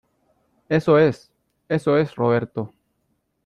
eso es. eso es, Roberto .